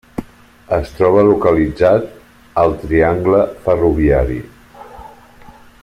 Es troba localitzat al Triangle Ferroviari.